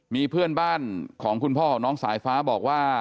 มีเพื่อนบ้านของคุณพ่อของน้องสายฟ้าบอกว่า